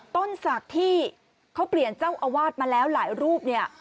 ต้นศักดิ์ที่เขาเปลี่ยนเจ้าอาวาสมาแล้วหลายรูปเนี่ย